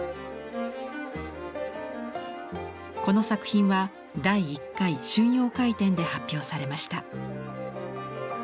この作品は第１回春陽会展で発表されました。